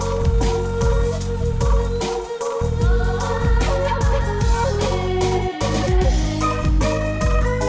mereka mau keluar jangan buat dua an